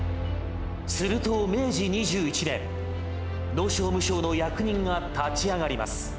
すると明治２１年、農商務省の役人が立ち上がります。